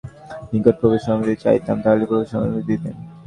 অথচ আমি যদি সে সময়ই তার নিকট প্রবেশর অনুমতি চাইতাম তাহলে প্রবেশের অনুমতি দিতেন।